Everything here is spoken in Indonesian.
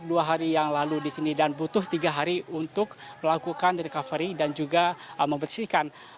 dua hari yang lalu di sini dan butuh tiga hari untuk melakukan recovery dan juga membersihkan